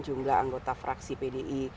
jumlah anggota fraksi pdi